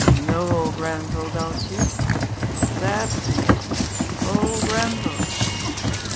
Know ol' Grenville, don't you that's him ol' Grenville.